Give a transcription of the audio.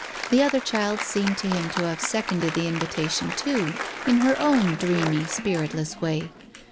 The other child seemed to him to have seconded the invitation too, in her own dreamy, spiritless way.